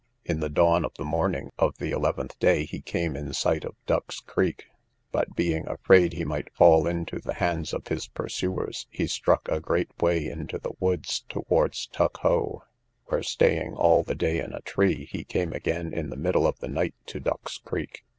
In the dawn of the morning of the eleventh day, he came in sight of Duck's Creek; but being afraid he might fall into the hands of his pursuers, he struck a great way into the woods towards Tuck Hoe; where staying all the day in a tree, he came again in the middle of the night to Duck's Creek.